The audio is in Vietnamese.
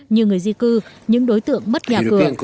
như người di cư những đối tượng mất nhà cửa